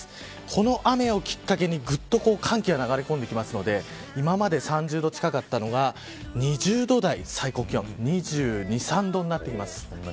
この雨をきっかけにぐっと寒気が流れ込んでくるので今まで３０度近かったのが２０度台、最高気温２２、２３度になってきます。